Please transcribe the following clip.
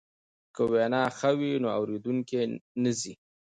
که وینا ښه وي نو اوریدونکی نه ځي.